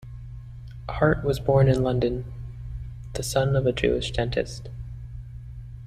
Hart was born in London, the son of a Jewish dentist.